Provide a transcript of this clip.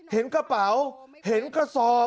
เห็นกระเป๋าเห็นกระสอบ